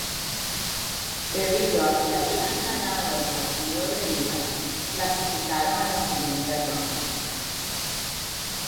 Debido a que habían ganado el partido de ida, clasificaron a la siguiente ronda.